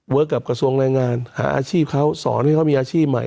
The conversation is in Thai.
กับกระทรวงแรงงานหาอาชีพเขาสอนให้เขามีอาชีพใหม่